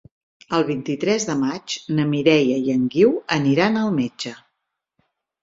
El vint-i-tres de maig na Mireia i en Guiu aniran al metge.